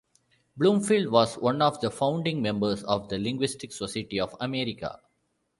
Bloomfield was one of the founding members of the Linguistic Society of America.